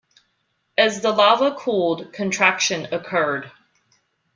As the lava cooled, contraction occurred.